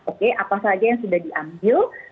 oke apa saja yang sudah diambil